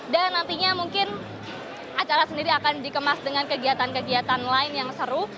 dan nantinya mungkin acara sendiri akan dikemas dengan kegiatan kegiatan lain yang seru